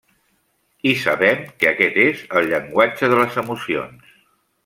I sabem que aquest és el llenguatge de les emocions.